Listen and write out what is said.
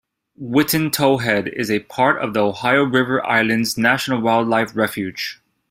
Witten Towhead is a part of the Ohio River Islands National Wildlife Refuge.